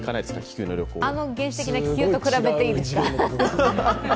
あの原始的な気球と比べていいですか。